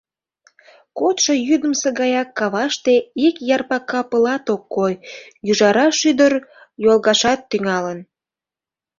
Кодшо йӱдымсӧ гаяк каваште ик ярпака пылат ок кой, ӱжара шӱдыр йолгашат тӱҥалын.